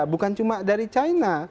bukan cuma dari china